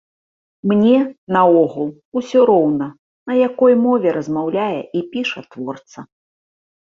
Мне, наогул, усё роўна, на якой мове размаўляе і піша творца.